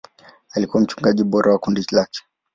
Alikuwa mchungaji bora wa kundi lake.